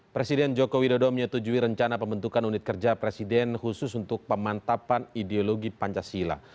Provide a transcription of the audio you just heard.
presiden joko widodo menyetujui rencana pembentukan unit kerja presiden khusus untuk pemantapan ideologi pancasila